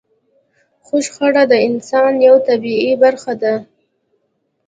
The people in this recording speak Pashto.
خو شخړه د انسان يوه طبيعي برخه ده.